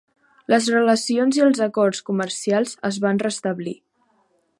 Les relacions i els acords comercials es van restablir.